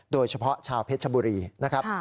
โดยเฉพาะชาวเพชรชบุรีนะครับ